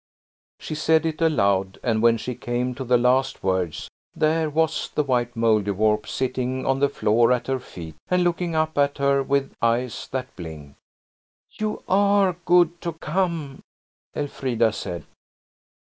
'" She said it aloud, and when she came to the last words there was the white Mouldiwarp sitting on the floor at her feet and looking up at her with eyes that blinked. "You are good to come," Elfrida said.